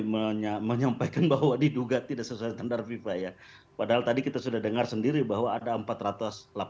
ya ini mbak senang sekali menyampaikan bahwa diduga tidak sesuai standar fifa ya padahal tadi kita sudah dengar sendiri bahwa ada empat ratus delapan puluh item dan bung joy sudah mengatakan bahwa